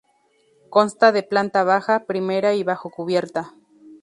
Consta de planta baja, primera y bajocubierta.